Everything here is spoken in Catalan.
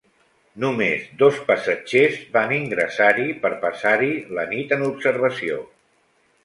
Només dos passatgers van ingressar-hi per passar-hi la nit en observació.